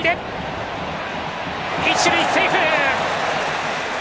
一塁セーフ！